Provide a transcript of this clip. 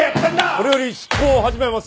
これより執行を始めます。